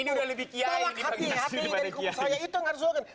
ini udah lebih kiai dibagi masyarakat